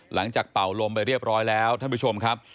เป่าลมไปเรียบร้อยแล้วท่านผู้ชมครับ